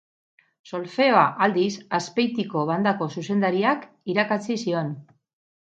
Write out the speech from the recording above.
Solfeoa, aldiz, Azpeitiko bandako zuzendariak irakatsi zion.